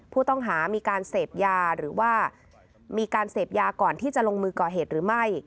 ผู้ต้องหามีการเสพยาหรือว่ามีการเสพยาก่อนที่จะลงมือก่อเหตุหรือไม่